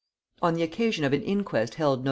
On the occasion of an inquest held Nov.